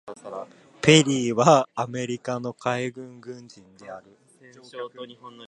ペリーはアメリカの海軍軍人である。